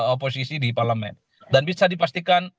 oposisi di parlemen dan bisa dipastikan